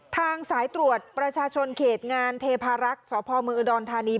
ทางสายตรวจประชาชนเขตงานเทพารักษ์สมอธานี